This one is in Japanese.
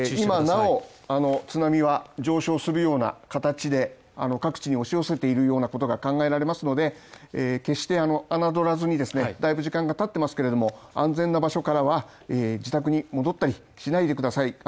津波は上昇するような形で各地に押し寄せているようなことが考えられますので決してあなどらずにですね、だいぶ時間が経ってますけれども安全な場所からは自宅に戻ったりしないでください